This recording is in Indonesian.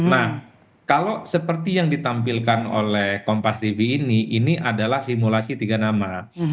nah kalau seperti yang ditampilkan oleh kompas tv ini ini adalah simulasi tiga nama